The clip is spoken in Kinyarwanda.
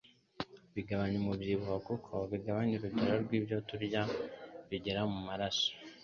Bigabanya umubyibuho kuko bigabanya urugero rw'ibyo turya bigera mu maraso